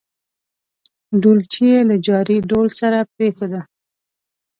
ډولچي یې له جاري ډول سره پرېښوده.